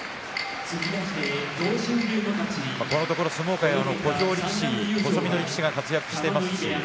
このところ相撲界は小兵力士細身の力士が活躍しています。